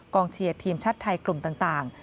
เชียร์ทีมชาติไทยกลุ่มต่าง